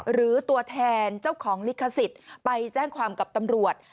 หรือตัวแทนเจ้าของลิขสิทธิ์ไปแจ้งความกับตำรวจ